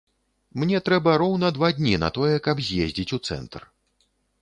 Мне трэба роўна два дні на тое, каб з'ездзіць у цэнтр.